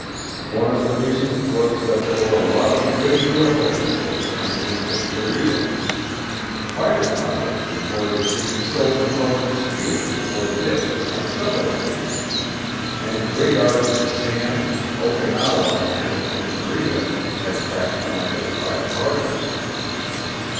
One of the reasons was that there were a lot of good UFO reports coming in from Korea. Fighter pilots reported seeing silver colored spheres or disks on several occasions, and radar in Japan, Okinawa, and in Korea had tracked unidentified targets.